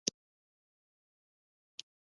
ځینې هنرمندان دا روایت تکراروي.